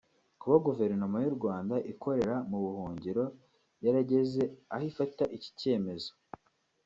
Kuba Guverinoma y’u Rwanda ikorera mu buhungiro yarageze aho ifata iki cyemezo